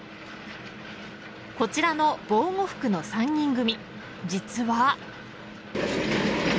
こちらの防護服の３人組。